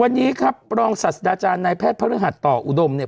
วันนี้ครับรองศาสตราจารย์นายแพทย์พระฤหัสต่ออุดมเนี่ย